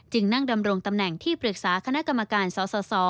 นั่งดำรงตำแหน่งที่ปรึกษาคณะกรรมการสส